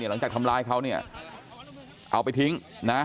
หลังจากทำลายเขาเอาไปทิ้งนะ